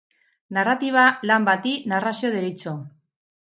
Narratiba lan bati narrazio deritzo.